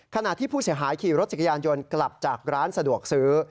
ขณะที่ผู้เสียหายขี่รถจักรยานยนต์กลับจากร้านสะดวกซื้อ